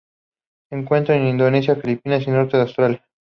Se encuentran en Indonesia, Filipinas y norte de Australia.